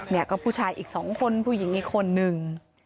เนี่ยก็ผู้ชายอีก๒คนผู้หญิงอีกคนนึง